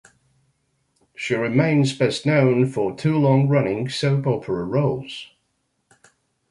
She remains best known for two long-running soap opera roles.